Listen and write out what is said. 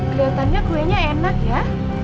keliatannya kuenya enak ya